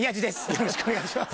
よろしくお願いします。